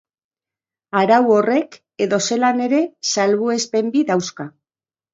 Arau horrek, edozelan ere, salbuespen bi dauzka.